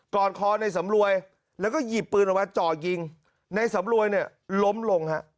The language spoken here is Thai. อดคอในสำรวยแล้วก็หยิบปืนออกมาจ่อยิงในสำรวยเนี่ยล้มลงฮะ